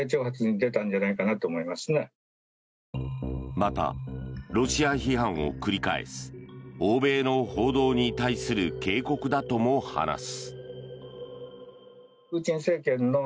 また、ロシア批判を繰り返す欧米の報道に対する警告だとも話す。